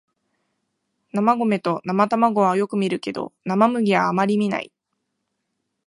生米と生卵はよく見るけど生麦はあまり見ない